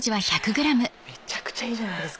めちゃくちゃいいじゃないですか。